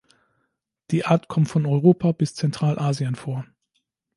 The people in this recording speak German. Die Art kommt von Europa bis Zentralasien vor.